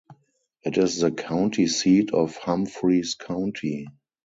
It is the county seat of Humphreys County.